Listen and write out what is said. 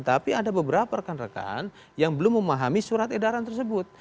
tapi ada beberapa rekan rekan yang belum memahami surat edaran tersebut